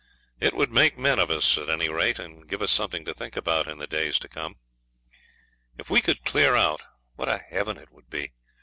It would make men of us, at any rate, and give us something to think about in the days to come. If we could clear out what a heaven it would be!